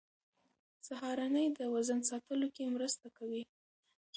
سهارنۍ د وزن ساتلو کې مرسته کوي.